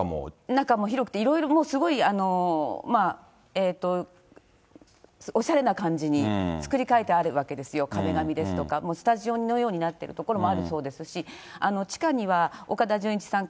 中も広くて、いろいろもう、すごい、おしゃれな感じに作り替えてあるわけですよ、壁紙ですとか、もうスタジオのようになってる所もあるそうですし、地下には岡田准一さん